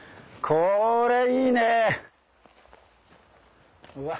これいいわ。